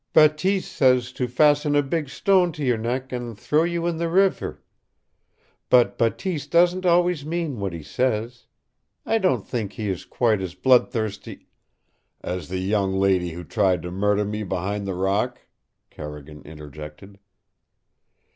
"Bateese says to fasten a big stone to your neck and throw you in the river. But Bateese doesn't always mean what he says. I don't think he is quite as bloodthirsty "" As the young lady who tried to murder me behind the rock," Carrigan interjected.